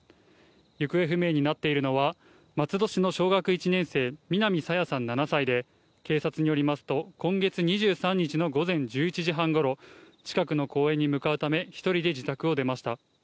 行方不明になっているのは、松戸市の小学１年生、南朝芽さん７歳で、警察によりますと、今月２３日の午前１１時半ごろ、近くの公園に向かうため、１人で自宅を出ました。